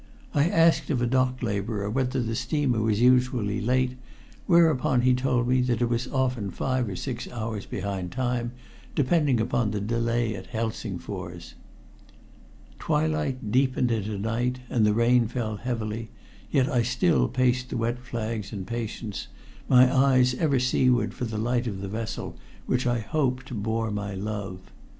I asked of a dock laborer whether the steamer was usually late, whereupon he told me that it was often five or six hours behind time, depending upon the delay at Helsingfors. Twilight deepened into night, and the rain fell heavily, yet I still paced the wet flags in patience, my eyes ever seaward for the light of the vessel which I hoped bore my love.